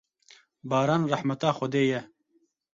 Baran rehmeta Xwedê ye.